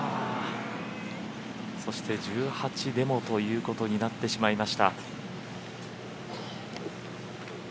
そして１８でもということになってしまいました。